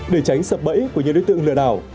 để tránh sập bẫy của những đối tượng lừa đảo